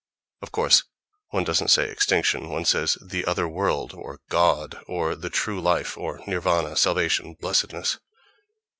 Of course, one doesn't say "extinction": one says "the other world," or "God," or "the true life," or Nirvana, salvation, blessedness....